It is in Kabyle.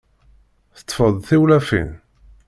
Teṭṭfeḍ-d tiwlafin?